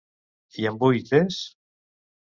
I amb vuit Es?